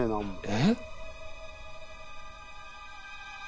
えっ？